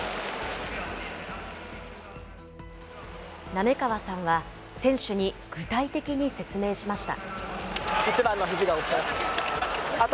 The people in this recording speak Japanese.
滑川さんは、選手に具体的に説明しました。